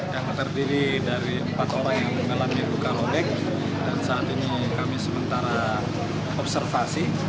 yang terdiri dari empat orang yang mengalami luka lobek dan saat ini kami sementara observasi